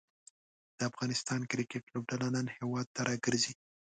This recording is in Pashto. د افغانستان کریکټ لوبډله نن هیواد ته راګرځي.